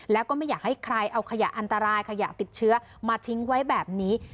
แล้วก็ไม่อยากให้ใครเอาขยะอันตรายขยะติดเชื้อมาทิ้งไว้แบบนี้